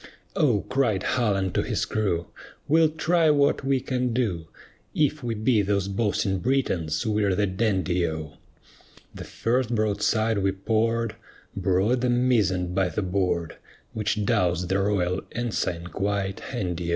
"O," cried Hull unto his crew, "We'll try what we can do; If we beat those boasting Britons we're the dandy O." The first broadside we poured Brought the mizzen by the board, Which doused the royal ensign quite handy O.